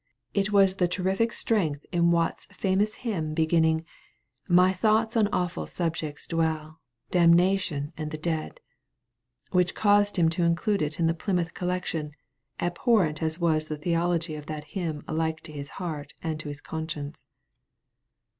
It was the terrific strength in Watts's famous hymn beginning "My thoughts on awful subjects dwell, Damnation and the dead," which caused him to include it in the 'Plymouth Collection,' abhorrent as was the theology of that hymn alike to his heart and to his conscience.